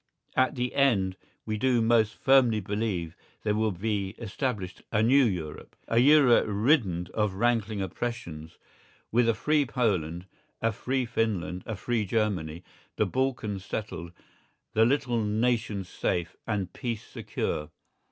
At the end we do most firmly believe there will be established a new Europe, a Europe riddened of rankling oppressions, with a free Poland, a free Finland, a free Germany, the Balkans settled, the little nations safe, and peace secure.